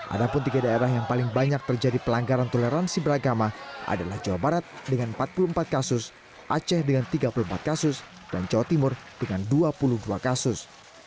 ada pun tiga daerah yang paling banyak terjadi pelanggaran toleransi beragama adalah jawa barat dengan empat puluh empat kasus aceh dengan tiga puluh empat kasus dan jawa timur dengan dua puluh dua kasus